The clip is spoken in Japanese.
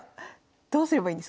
どうすればいいんですか？